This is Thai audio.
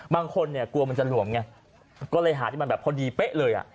บางคนเนี่ยกลัวมันจะหลวมไงก็เลยหาที่มันแบบพอดีเป๊ะเลยอ่ะ